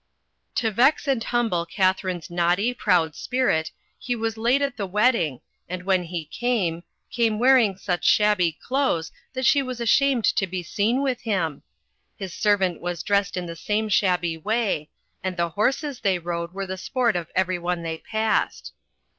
To vex and humble Katharine's naughty, proud spirit, he was late at the wedding, z^nd when he came, came wearing such shabby clothes that she was ashamed to be seen with him. His servant was dressed in the same shabby way, and the horses they rode were the sport of every one they passed.